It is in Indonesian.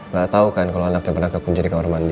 gak tau kan kalau anaknya pernah kekunci di kamar mandi